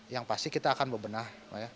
yang pasti kita akan bebenah